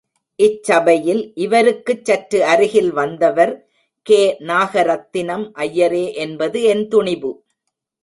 இச்சபையில் இவருக்குச் சற்று அருகில் வந்தவர், கே. நாகரத்தினம் ஐயரே என்பது என் துணிபு.